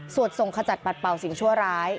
ส่งขจัดปัดเป่าสิ่งชั่วร้าย